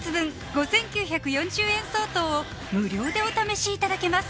５９４０円相当を無料でお試しいただけます